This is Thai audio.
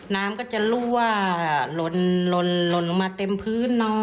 น้ำก็จะรั่วหล่นลงมาเต็มพื้น